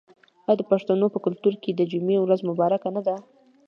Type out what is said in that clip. آیا د پښتنو په کلتور کې د جمعې ورځ مبارکه نه ده؟